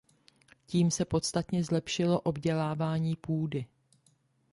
Tím se podstatně zlepšilo obdělávání půdy.